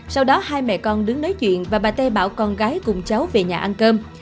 sau đó hai mẹ con đứng nói chuyện và bà tê bảo con gái cùng cháu về nhà ăn cơm